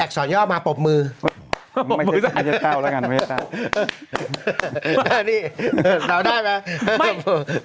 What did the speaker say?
อักษรย่อมาปบมือไม่ใช่แต้วแล้วกัน